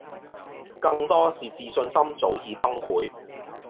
更多是自信心早已崩潰